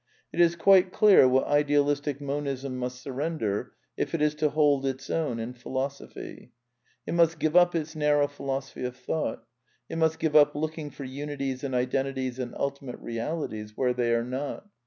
It is quite clear what Idealistic Monism must surrender if^^T it is to hold its own in Philosophy. ^^ It must give up its narrow philosophy of Thought. It • must give up looking for unities and identities and ulti mate realities where they are not.